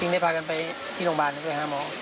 จึงพากันไปถิดงามจากน้ำ